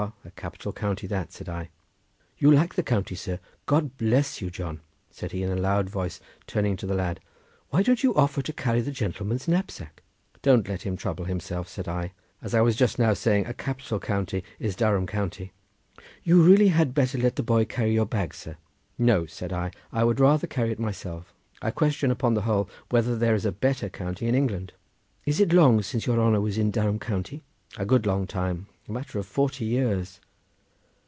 a capital county that," said I. "You like the county, sir! God bless you! John!" said he in a loud voice, turning to the lad, "why don't you offer to carry the gentleman's knapsack?" "Don't let him trouble himself," said I. "As I was just now saying, a capital county is Durham county." "You really had better let the boy carry your bag, sir." "No!" said I; "I would rather carry it myself. I question upon the whole whether there is a better county in England." "Is it long since your honour was in Durham county?" "A good long time. A matter of forty years."